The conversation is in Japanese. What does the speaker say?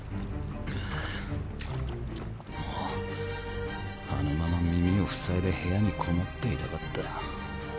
あぁもうあのまま耳を塞いで部屋に籠もっていたかった。